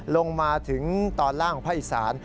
ลงมาถึงตอนล่างภาคอีสาน